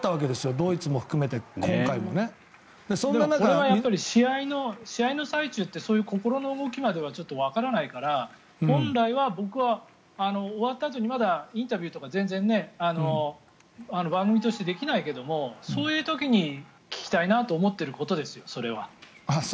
ドイツも含めて、今回もね。試合の最中ってそういう心の動きまではちょっとわからないから本来は僕は、終わったあとにまだインタビューとか全然番組としてできないけれどそういう時に聞きたいなと思っていることです、それは。